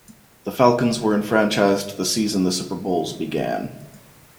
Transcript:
The Falcons were enfranchised the season the Super Bowls began.